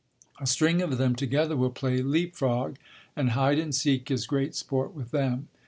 A string of them together will play "leap frog," and hide and seek is great sport with them.